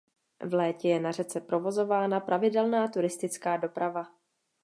V létě je na řece provozována pravidelná turistická doprava.